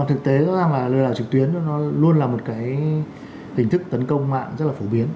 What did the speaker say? thực tế lừa đảo trực tuyến nó luôn là một cái hình thức tấn công mạng rất là phổ biến